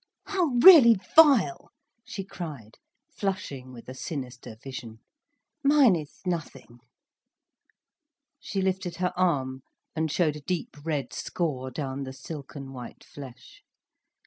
"How really vile!" she cried, flushing with a sinister vision. "Mine is nothing." She lifted her arm and showed a deep red score down the silken white flesh.